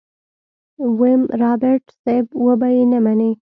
ويم رابرټ صيب وبه يې نه منې.